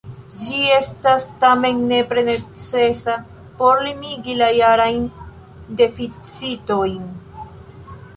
Ĝi estas tamen nepre necesa por limigi la jarajn deficitojn.